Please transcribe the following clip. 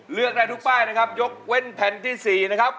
เลือกได้ทุกป้ายนะครับยกเว้นแผ่นที่๔นะครับ